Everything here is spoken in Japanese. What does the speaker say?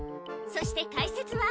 そして解説は。